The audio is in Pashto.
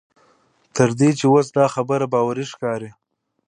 تر دې چې اوس دا خبره باوري ښکاري.